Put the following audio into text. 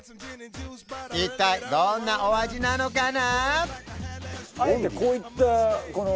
一体どんなお味なのかな？